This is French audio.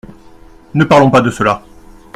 Ne parlons pas de cela !